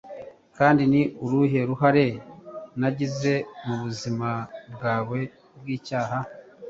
kandi ni uruhe ruhare nagize mu buzima bwawe bw'icyaha